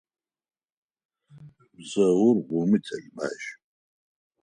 Бзэгур гум итэлмащ.